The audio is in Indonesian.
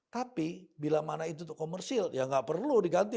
tapi bila mana itu untuk komersil ya nggak perlu diganti